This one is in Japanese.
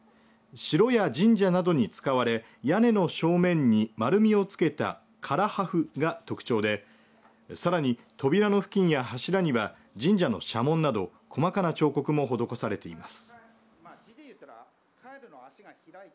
城や神社などに使われ屋根の正面に丸みをつけた唐破風が特徴でさらに扉の付近や柱には神社の社紋など細かな彫刻も施されています。